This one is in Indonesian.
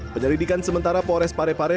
penyelidikan sementara pores parepare